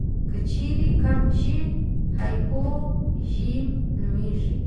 که چیرې کم شي هایپوژي نومېږي.